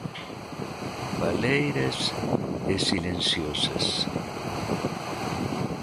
Baleiras e silenciosas.